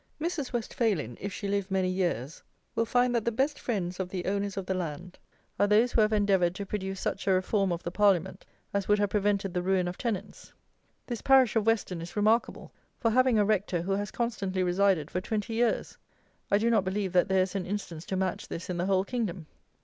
Mrs. WESTPHALIN, if she live many years, will find that the best friends of the owners of the land are those who have endeavoured to produce such a reform of the Parliament as would have prevented the ruin of tenants. This parish of WESTON is remarkable for having a Rector who has constantly resided for twenty years! I do not believe that there is an instance to match this in the whole kingdom.